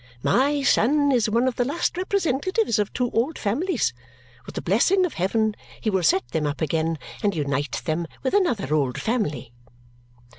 My son is one of the last representatives of two old families. With the blessing of heaven he will set them up again and unite them with another old family."